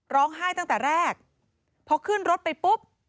ร้องไห้ตั้งแต่แรกพอขึ้นรถไปปุ๊บ